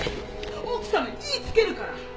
奥様に言いつけるから！